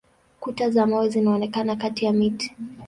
Kuta za mawe zinaonekana kati ya miti.